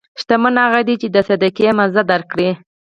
شتمن هغه دی چې د صدقې مزه درک کړي.